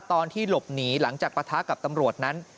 ตอนที่หลบหนีหลังจากปะทะกับตำรวจนั้น